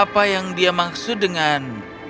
apa yang dia maksud dengan